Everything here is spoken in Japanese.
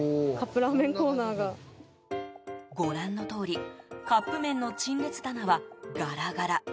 ご覧のとおりカップ麺の陳列棚は、ガラガラ。